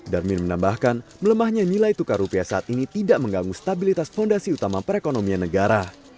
darmin menambahkan melemahnya nilai tukar rupiah saat ini tidak mengganggu stabilitas fondasi utama perekonomian negara